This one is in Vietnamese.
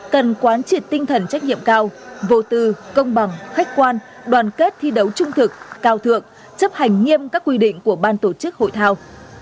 cần quán triệt tinh thần trách nhiệm cao vô tư công bằng khách quan đoàn kết thi đấu trung thực cao thượng chấp hành nghiêm các quy định của ban tổ chức hội thao